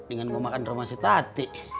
ingin mau makan rumah si tati